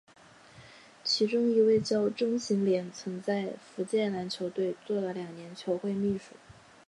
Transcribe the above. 其中一位叫钟行廉曾在福建篮球队做了两年球会秘书。